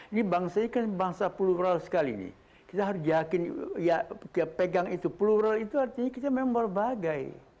ini bangsa ini kan bangsa plural sekali nih kita harus yakin ya kita pegang itu plural itu artinya kita memang berbagai